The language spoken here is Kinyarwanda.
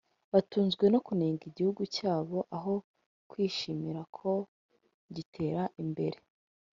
batunzwe no kunenga igihugu cyabo aho kwishimira ko gitera imbere